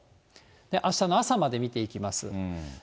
あしたの朝まで見ていきます。